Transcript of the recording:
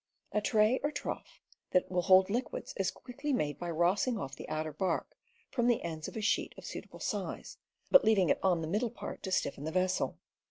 A tray or trough ,. that will hold liquids is quickly made by rossing off the outer bark from the ends of a sheet of suitable size, but leaving it on the middle part to stiffen the vessel.